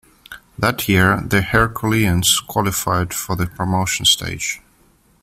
That year, "The Herculeans" qualified for the promotion stage.